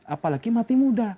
apalagi mati muda